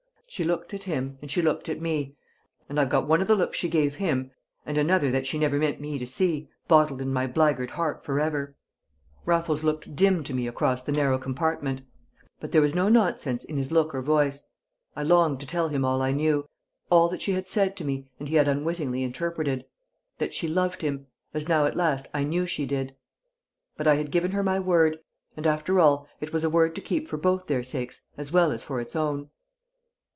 She looked at him, and she looked at me, and I've got one of the looks she gave him, and another that she never meant me to see, bottled in my blackguard heart forever!" Raffles looked dim to me across the narrow compartment; but there was no nonsense in his look or voice. I longed to tell him all I knew, all that she had said to me and he had unwittingly interpreted; that she loved him, as now at last I knew she did; but I had given her my word, and after all it was a word to keep for both their sakes as well as for its own.